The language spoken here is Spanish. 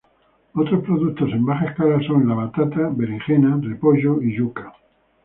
Otros productos en baja escala son la batata, berenjena, repollo y yuca.